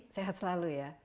sehat selalu ya